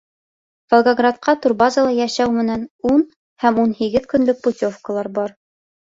Волгоградҡа турбазала йәшәү менән ун һәм ун һигеҙ көнлөк путевкалар бар.